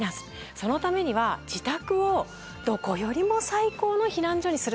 そのためには自宅をどこよりも最高の避難所にする。